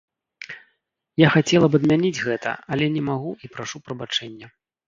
Я хацела б адмяніць гэта, але не магу і прашу прабачэння.